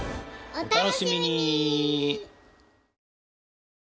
お楽しみに！